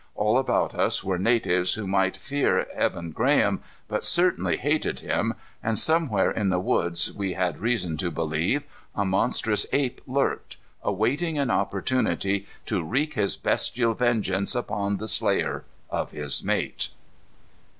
All about us were natives who might fear Evan Graham but certainly hated him, and somewhere in the woods, we had reason to believe, a monstrous ape lurked, awaiting an opportunity to wreak his bestial vengeance upon the slayer of his mate.